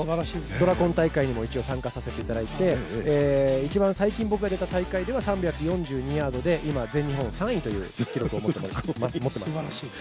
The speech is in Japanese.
ドラコン大会にも一応、出場させてもらって最近、僕が出た大会では３６２ヤードという記録で今、全日本３位という記録を持っています。